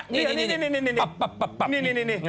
นี่